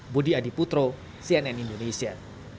budi adiputro cnn indonesia